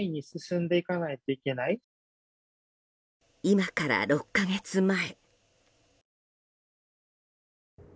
今から６か月前。